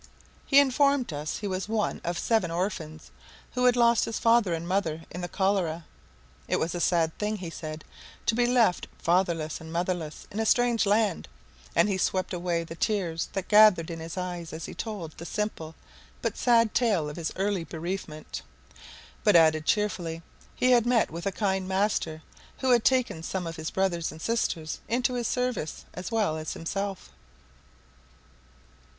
He informed us he was one of seven orphans, who had lost father and mother in the cholera. It was a sad thing, he said, to be left fatherless and motherless, in a strange land; and he swept away the tears that gathered in his eyes as he told the simple, but sad tale of his early bereavement; but added, cheerfully, he had met with a kind master, who had taken some of his brothers and sisters into his service as well as himself.